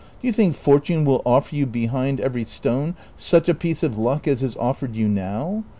Do you think Fortune will offer you behind every stone such a piece of luck as is offered you now